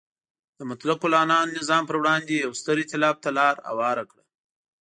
د مطلقه العنان نظام پر وړاندې یو ستر ایتلاف ته لار هواره کړه.